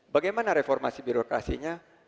bagaimana reformasi birokrasinya